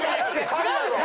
違うじゃん。